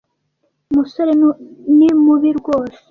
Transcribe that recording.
umusore ni mubi rwose.